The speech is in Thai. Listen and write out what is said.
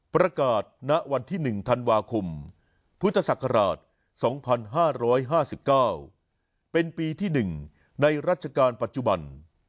ณวันที่๑ธันวาคมพุทธศักราช๒๕๕๙เป็นปีที่๑ในรัชกาลปัจจุบัน